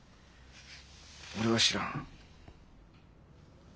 俺は知らん。